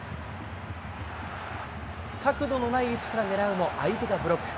角度のない位置から狙うも、相手がブロック。